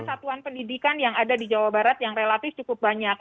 satuan pendidikan yang ada di jawa barat yang relatif cukup banyak